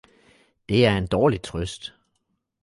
Det er en dårlig trøst!